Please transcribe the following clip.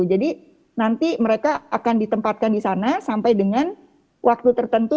jadi nanti mereka akan ditempatkan di sana sampai dengan waktu tertentu